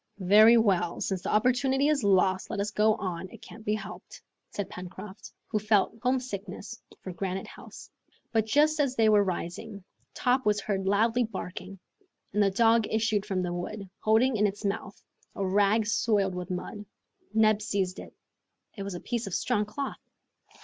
"Very well, since the opportunity is lost, let us go on; it can't be helped," said Pencroft, who felt home sickness for Granite House. But just as they were rising, Top was heard loudly barking; and the dog issued from the wood, holding in his mouth a rag soiled with mud. Neb seized it. It was a piece of strong cloth!